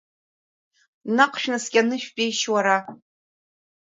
Наҟ шәнаскьаны шәтәеишь, уара!